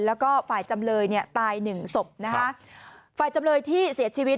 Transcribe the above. แล้วก็ฝ่ายจำเลยเนี่ยตายหนึ่งศพนะคะฝ่ายจำเลยที่เสียชีวิต